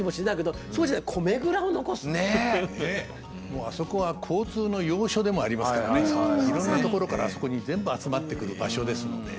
もうあそこは交通の要所でもありますからねいろんな所からあそこに全部集まってくる場所ですので。